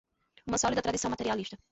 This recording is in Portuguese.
uma sólida tradição materialista